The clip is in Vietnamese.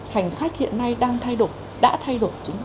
hành khách hiện nay đang thay đổi đã thay đổi chúng ta